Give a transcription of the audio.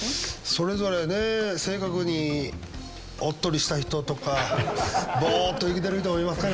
それぞれね性格におっとりした人とかボーッと生きてる人もいますからね。